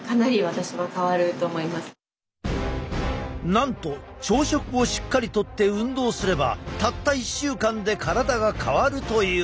なんと朝食をしっかりとって運動すればたった１週間で体が変わるという！